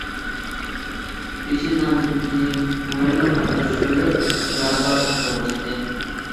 پېشىن نامىزىدىن كىيىن موماينىڭ نامىزى چۈشۈرۈلۈپ جىنازا يولغا چىقتى.